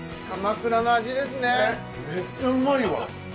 ねっめっちゃうまいわ